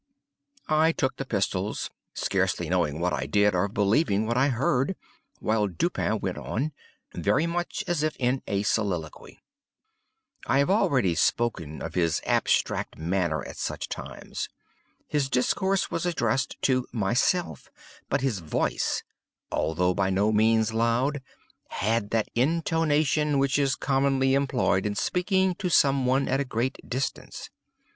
I took the pistols, scarcely knowing what I did, or believing what I heard, while Dupin went on, very much as if in a soliloquy. I have already spoken of his abstract manner at such times. His discourse was addressed to myself; but his voice, although by no means loud, had that intonation which is commonly employed in speaking to some one at a great distance.